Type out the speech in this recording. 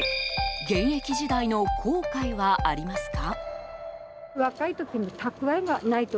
現役時代の後悔はありますか？